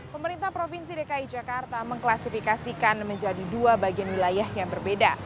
pemerintah provinsi dki jakarta mengklasifikasikan menjadi dua bagian wilayah yang berbeda